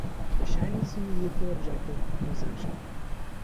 The Chinese immediately objected to this action.